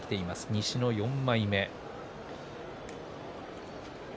西の４枚目です。